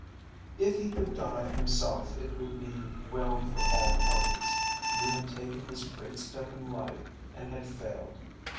If he could die himself it would be well for all parties. He had taken his great step in life and had failed.